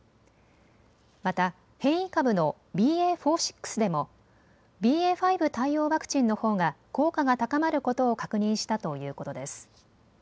また変異株のＢＡ．４．６でもＢＡ．５対応ワクチンのほうが効果が高まることを確認したということです。